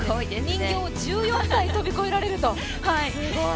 人形１４体、跳び越えられると、すごい。